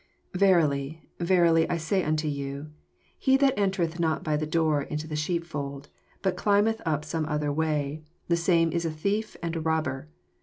1 Verily, verily, I say unto you, Ho that entereth not by the door into the Bheepfold, but climbeth up some other way, the same is a thief and a robber.